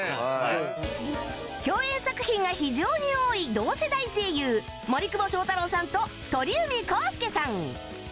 共演作品が非常に多い同世代声優森久保祥太郎さんと鳥海浩輔さん